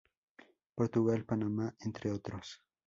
Portugal, Panamá, entre otros.